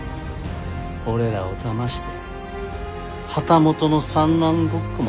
俺らをだまして旗本の三男ごっこまでしやがって。